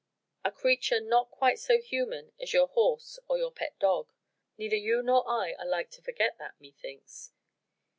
a creature not quite so human as your horse or your pet dog. Neither you nor I are like to forget that methinks...."